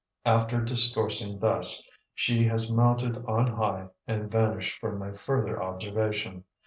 After discoursing thus, she has mounted on high and vanished from my further observation.